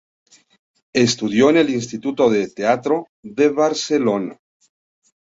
Estudió en el Instituto del Teatro de Barcelona.